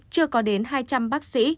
chưa có đến hai trăm linh bác sĩ